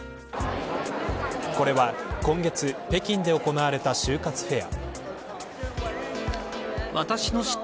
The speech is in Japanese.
これは今月、北京で行われた就活フェア。